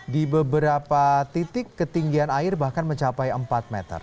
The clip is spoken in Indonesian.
di beberapa titik ketinggian air bahkan mencapai empat meter